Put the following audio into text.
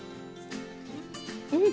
うん。